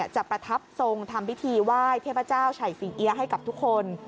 ประทับทรงทำพิธีไหว้เทพเจ้าไฉสิงเอี๊ยะให้กับทุกคน